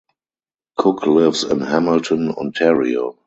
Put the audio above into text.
Cook lives in Hamilton, Ontario.